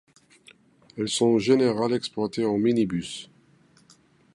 Elles sont en général exploitées en minibus.